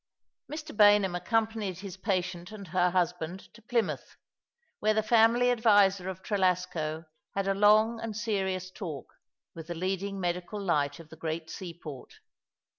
!Mr. Baynham accompanied his patient and her husband to Plymouth, where the family adviser of Trelasco had a long and serious talk with the leading medical light of the great eeai)ort.